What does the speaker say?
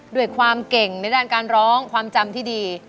ด้วยความเก่งในด้านการร้องความจำที่ดี